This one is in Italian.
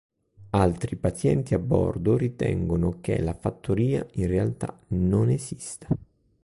Altri pazienti a bordo ritengono che la "Fattoria" in realtà non esista.